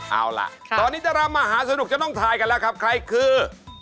เอาล่ะตอนนี้ดารามหาสนุกจะต้องทายกันแล้วครับใครคือ